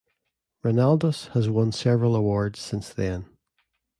Ronaldus has won several awards since then.